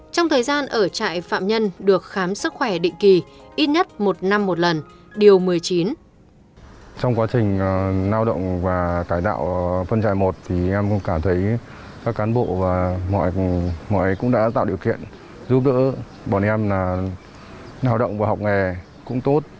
trong thời gian ở trại phạm nhân được khám sức khỏe định kỳ ít nhất một năm một lần điều một mươi chín